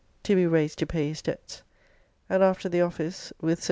] to be raised to pay his debts. And after the office with Sir W.